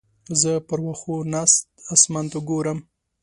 زه پر وښو ناسته اسمان ته ګورم.